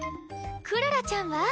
クララちゃんは？